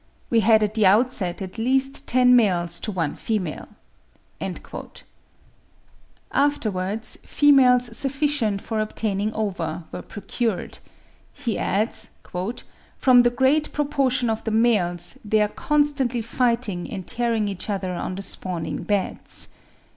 We had at the outset at least ten males to one female." Afterwards females sufficient for obtaining ova were procured. He adds, "from the great proportion of the males, they are constantly fighting and tearing each other on the spawning beds."